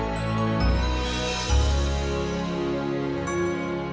terima kasih atas undangannya